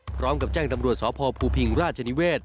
พร้อมกับแจ้งตำรวจสพภูพิงราชนิเวศ